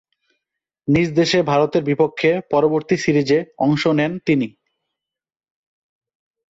নিজদেশে ভারতের বিপক্ষে পরবর্তী সিরিজে অংশ নেন তিনি।